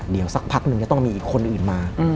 เดี๋ยวสักพักนึงจะต้องมีคนอื่นมา